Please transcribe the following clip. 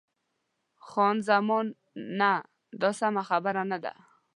خان زمان: نه، دا سمه خبره نه ده.